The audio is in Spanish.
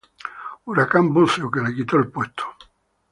Huracán Buceo, que le quitó el puesto.